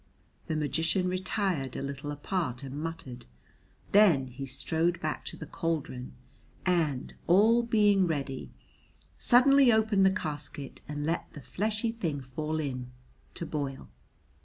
The magician retired a little apart and muttered, then he strode back to the cauldron and, all being ready, suddenly opened the casket and let the fleshy thing fall in to boil.